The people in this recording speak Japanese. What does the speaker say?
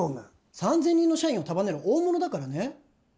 ３０００人の社員を束ねる大物だからね